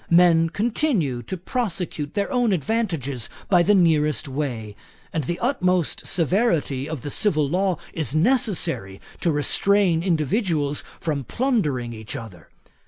Men continue to prosecute their own advantages by the nearest way; and the utmost severity of the civil law is necessary to restrain individuals from plundering each other.